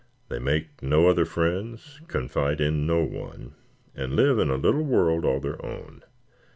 They make no other friends, confide in no one, and live in a little world all their own.